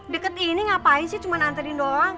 deket ini ngapain sih cuma nganterin doang